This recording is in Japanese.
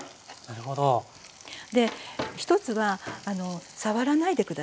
で１つは触らないで下さい。